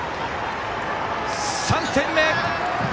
３点目！